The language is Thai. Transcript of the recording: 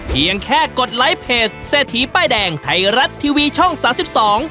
เพียงแค่กดไลค์เพจเศรษฐีป้ายแดงไทยรัฐทีวีช่องสามสิบสอง